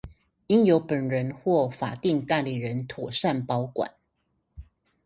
應由本人或法定代理人妥善保管